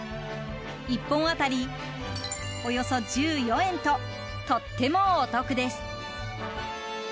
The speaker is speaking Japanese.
１本当たりおよそ１４円ととってもお得です。